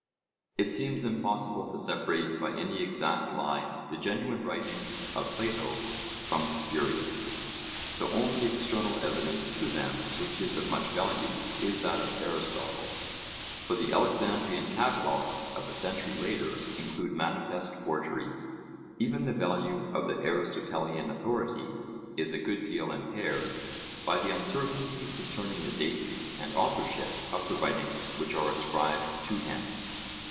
It seems impossible to separate by any exact line the genuine writings of Plato from the spurious. The only external evidence to them which is of much value is that of Aristotle; for the Alexandrian catalogues of a century later include manifest forgeries. Even the value of the Aristotelian authority is a good deal impaired by the uncertainty concerning the date and authorship of the writings which are ascribed to him.